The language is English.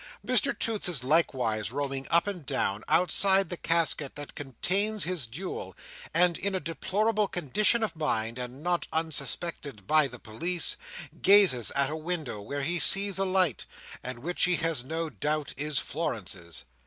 Mr Toots is likewise roaming up and down, outside the casket that contains his jewel; and in a deplorable condition of mind, and not unsuspected by the police, gazes at a window where he sees a light, and which he has no doubt is Florence's.